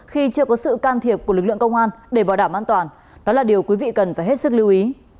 khi chưa có sự can thiệp của lực lượng công an để bảo đảm an toàn đó là điều quý vị cần phải hết sức lưu ý